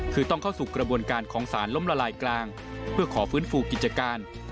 คือต้องเข้าสู่กระบวนการของสารล้มละลายกลางเพื่อขอฟื้นฟูกิจการ